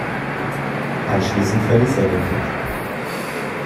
Anschließend verließ er den Klub.